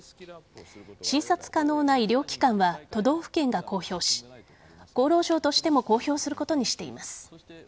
診察可能な医療機関は都道府県が公表し厚労省としても公表することにしています。